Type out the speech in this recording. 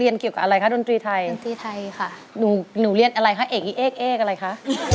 ดนตรีไทยดนตรีไทยค่ะหนูหนูเรียนอะไรค่ะเอกเอกเอกอะไรค่ะ